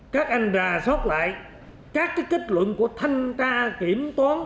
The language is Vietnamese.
các anh rà soát lại các kết luận của thanh tra kiểm toán